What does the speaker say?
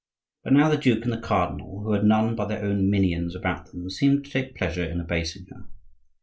But now the duke and the cardinal, who had none but their own minions about them, seemed to take pleasure in abasing her.